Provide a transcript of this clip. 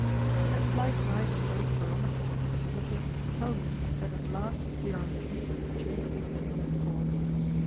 A slight rise of both barometer and thermometer tells us that at last we are on the eve of the change we have been longing for.